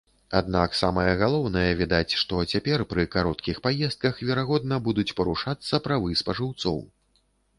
Аднак самае галоўнае, відаць, што цяпер пры кароткіх паездках, верагодна, будуць парушацца правы спажыўцоў.